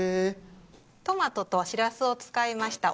トマトとシラスを使いました